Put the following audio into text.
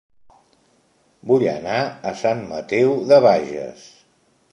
Vull anar a Sant Mateu de Bages